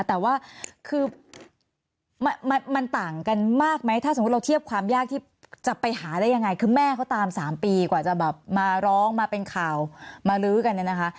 แต่ว่าคือมันต่างกันมากไหมถ้าสมมุติเราเทียบความยากที่จะไปหาได้ยังไงคือแม่เขาตาม๓ปีกว่าจะแบบมาร้องมาเป็นข่าวมาลื้อกันเนี่ยนะคะ